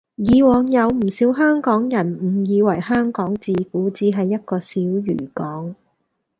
以往有唔少香港人誤以為香港自古只係一個小漁港